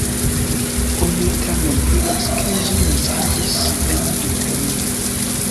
Oni tamen diras ke ĝi naskiĝis en Italio.